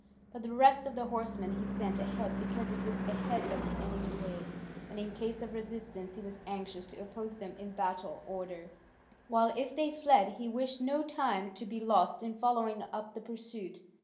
But the rest of the horsemen he sent ahead because it was ahead that the enemy lay, and in case of resistance he was anxious to oppose them in battle order, while if they fled he wished no time to be lost in following up the pursuit.